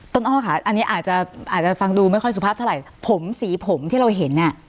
อ้อค่ะอันนี้อาจจะอาจจะฟังดูไม่ค่อยสุภาพเท่าไหร่ผมสีผมที่เราเห็นอ่ะ